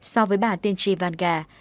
so với bà tiên tri vangar